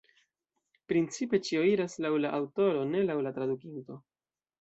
Principe ĉio iras laŭ la aŭtoro, ne laŭ la tradukinto.